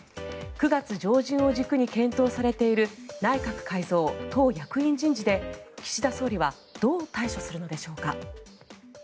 ９月上旬を軸に検討されている内閣改造・党役員人事で岸田総理はどう対処するのでしょうか。